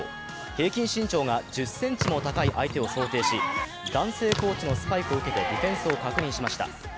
平均身長が１０ｃｍも高い相手を想定し、男性コーチのスパイクを受けてディフェンスを確認しました。